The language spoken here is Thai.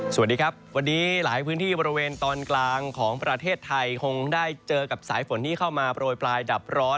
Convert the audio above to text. สวัสดีครับวันนี้หลายพื้นที่บริเวณตอนกลางของประเทศไทยคงได้เจอกับสายฝนที่เข้ามาโปรยปลายดับร้อน